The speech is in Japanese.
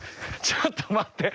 ちょっと待って！